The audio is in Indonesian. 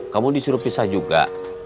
kamu disuruh pisah juga